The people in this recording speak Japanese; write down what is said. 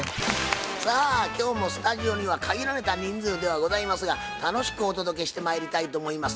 さあ今日もスタジオには限られた人数ではございますが楽しくお届けしてまいりたいと思います。